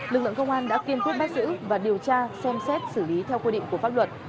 lực lượng công an đã kiên quyết bắt giữ và điều tra xem xét xử lý theo quy định của pháp luật